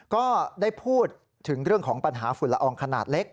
ก็ได้พูดถึงเรื่องของปัญหาฝุ่นละอองขนาดเล็ก